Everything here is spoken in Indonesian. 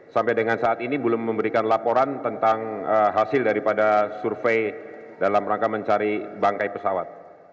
sampai dengan saat ini belum memberikan laporan tentang hasil daripada survei dalam rangka mencari bangkai pesawat